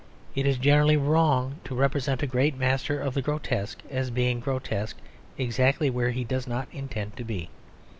It is generally wrong to represent a great master of the grotesque as being grotesque exactly where he does not intend to be.